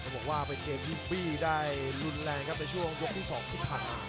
บอกว่าเป็นเกมที่บี้ได้รุนแรงครับในช่วงยกที่๒ที่ผ่านมา